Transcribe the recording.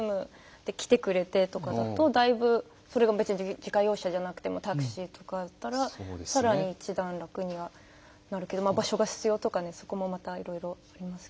で、来てくれてだとそれは自家用車じゃなくてもタクシーとかでもできたら一段、楽にはなるけど場所が必要とかでそこもまたいろいろありますけど。